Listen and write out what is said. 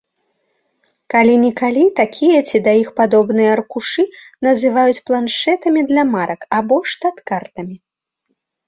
Калі-нікалі такія ці да іх падобныя аркушы называюць планшэтамі для марак або штат-картамі.